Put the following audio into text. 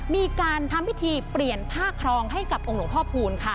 มีการทำพิธีเปลี่ยนผ้าครองให้กับองค์หลวงพ่อพูนค่ะ